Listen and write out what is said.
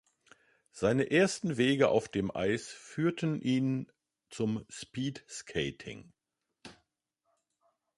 Seine ersten Wege auf dem Eis führten ihn zum Speed Skating.